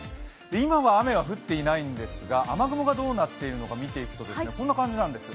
今は雨は降っていないんですが、雨雲がどうなっているか見ていくとこんな感じなんです。